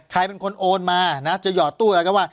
ใครเป็นคนโอนมานะจะหอดตู้อะไรก็ว่า